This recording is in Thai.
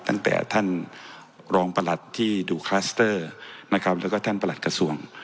ตั้งแต่ท่านรองประหลัดที่ดูคลัสเตอร์นะครับแล้วก็ท่านประหลัดกระทรวง